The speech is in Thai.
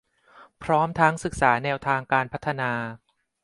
พร้อมทั้งศึกษาแนวทางการพัฒนา